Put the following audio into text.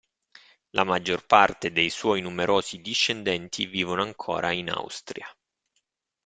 La maggior parte dei suoi numerosi discendenti vivono ancora in Austria.